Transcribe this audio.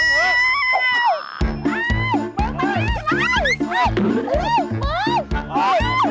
อ๊ามึงอ้าอ๊าไม่มึงไม่